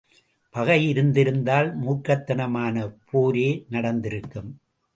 பகை இருந்திருந்தால் மூர்க்கத்தனமான போரே நடந்திருக்கும்.